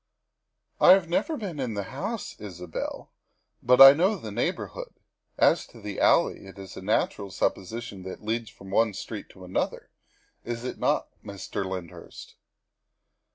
" I have never been in the house, Isabel, but I know the neighborhood. As to the alley, it is a natural suppo sition that it leads from one street to another, is it not, Mr. Lyndhurst?"